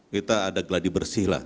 kita ada gelar dibersih lah